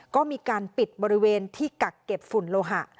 ก็มีการปิดบริเวณที่กักเก็บฝุ่นโลหะ